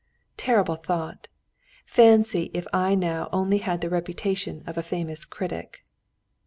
Terrible thought: fancy if I now only had the reputation of a famous critic!